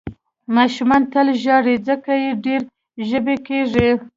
ماشومان تل ژاړي، ځکه یې ډېر ژبۍ کېږي.